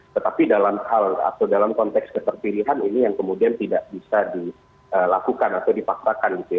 tetapi dalam hal atau dalam konteks keterpilihan ini yang kemudian tidak bisa dilakukan atau dipaksakan gitu ya